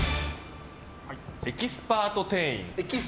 エキスパート店員。